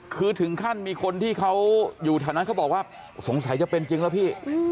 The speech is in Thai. คือถึงขั้นมีคนที่เขาอยู่แถวนั้นเขาบอกว่าสงสัยจะเป็นจริงแล้วพี่